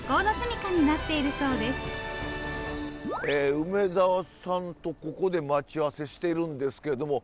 梅沢さんとここで待ち合わせしてるんですけれども。